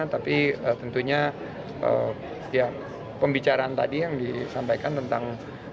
tapi tentunya setiap pembicaraan tadi yang disampaikan tentang